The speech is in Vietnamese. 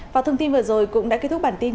và thông tin vừa rồi cũng đã kết thúc bản tin